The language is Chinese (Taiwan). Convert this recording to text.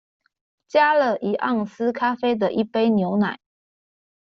加了一盎司咖啡的一杯牛奶